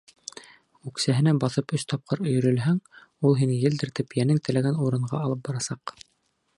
Үксәһенә баҫып өс тапҡыр өйөрөлһәң, ул һине елдертеп йәнең теләгән урынға алып барасаҡ.